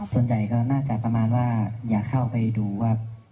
ส่วนใหญ่ก็น่าจะประมาณว่าอย่าเข้าไปดูว่า